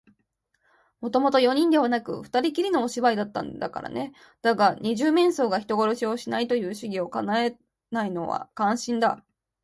もともと四人ではなくて、ふたりきりのお芝居だったんだからね。だが、二十面相が人殺しをしないという主義をかえないのは感心だ。